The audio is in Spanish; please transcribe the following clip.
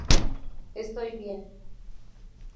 Estoy bien.